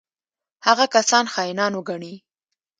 هغه کسان خاینان وګڼي.